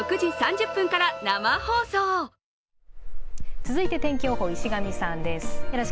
続いて天気予報、石上さんです。